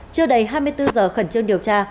chưa đầy hai mươi bốn giờ khẩn trương điều tra